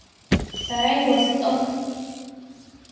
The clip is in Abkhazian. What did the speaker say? Сара иласҵо…